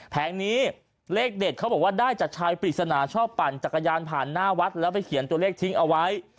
แผงนี้เลขเด็ดเขาบอกว่าได้จากชายปริศนาชอบปั่นจักรยานผ่านหน้าวัดแล้วไปเขียนตัวเลขทิ้งเอาไว้